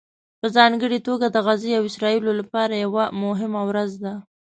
په ځانګړې توګه د غزې او اسرائیلو لپاره یوه مهمه ورځ ده